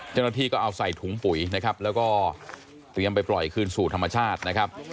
เจ้าหน้าที่ก็เอาใส่ถุงปุ๋ยนะครับแล้วก็เตรียมไปปล่อยคืนสู่ธรรมชาตินะครับ